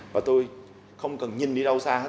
và tôi không cần nhìn đi đâu xa hết